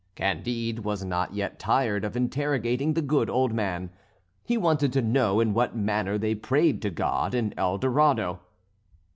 Candide was not yet tired of interrogating the good old man; he wanted to know in what manner they prayed to God in El Dorado.